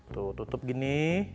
tuh tutup gini